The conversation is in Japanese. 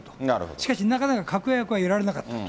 しかしなかなか確約が得られなかったと。